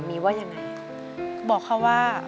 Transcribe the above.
เปลี่ยนเพลงเพลงเก่งของคุณและข้ามผิดได้๑คำ